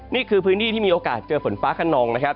นี่คือพื้นที่ที่มีโอกาสเจอฝนฟ้าขนองนะครับ